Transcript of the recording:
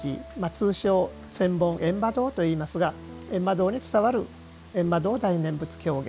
通称千本ゑんま堂といいますがゑんま堂に伝わるゑんま堂大念仏狂言。